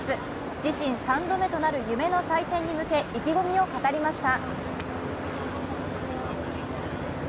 自身３度目となる夢の祭典に向け意気込みを語りました。